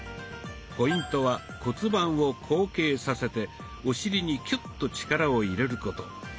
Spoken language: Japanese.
ポイントは骨盤を後傾させてお尻にキュッと力を入れること。